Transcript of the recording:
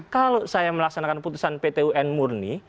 kalau saya melaksanakan putusan pt un murni